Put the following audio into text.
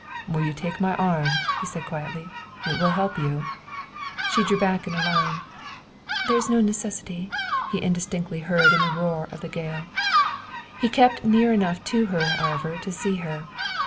"Will you take my arm?" he asked quietly. "It will help you." She drew back in alarm. "There is no necessity," he indistinctly heard in the roar of the gale. He kept near enough to her, however, to see her.